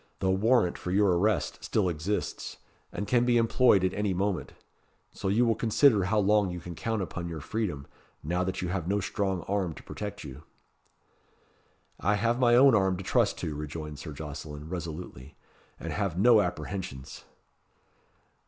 The warrant for your arrest still exists, and can be employed at any moment; so you will consider how long you can count upon your freedom, now that you have no strong arm to protect you." "I have my own arm to trust to," rejoined Sir Jocelyn, resolutely, "and have no apprehensions."